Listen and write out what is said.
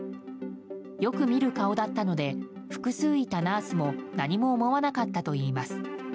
よく見る顔だったので複数いたナースも何も思わなかったといいます。